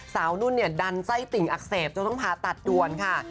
นุ่นเนี่ยดันไส้ติ่งอักเสบจนต้องผ่าตัดด่วนค่ะ